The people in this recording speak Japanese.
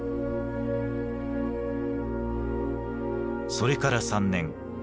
それから３年。